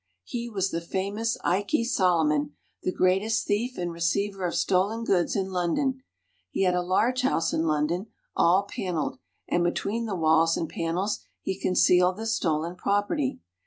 He was the famous Ikey Solomon, the greatest thief and receiver of stolen goods in London. He had a large house in London, all paneled, and between the walls and panels he concealed the stolen property.